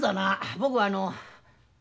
僕はあの。